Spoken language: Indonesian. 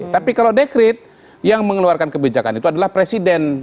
tapi kalau dekret yang mengeluarkan kebijakan itu adalah presiden